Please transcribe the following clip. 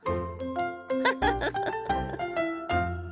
フフフフ。